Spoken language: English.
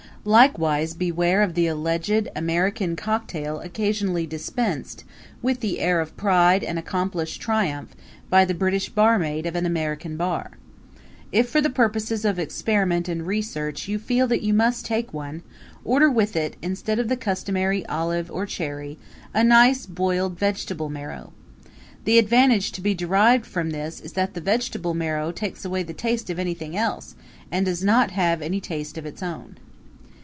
Likewise beware of the alleged American cocktail occasionally dispensed, with an air of pride and accomplished triumph, by the British barmaid of an American bar. If for purposes of experiment and research you feel that you must take one, order with it, instead of the customary olive or cherry, a nice boiled vegetable marrow. The advantage to be derived from this is that the vegetable marrow takes away the taste of anything else and does not have any taste of its own.